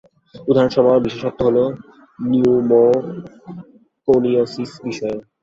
উদাহরণস্বরূপ, আমার বিশেষত্ব হল নিউমোকনিয়োসিস বিষয়ে।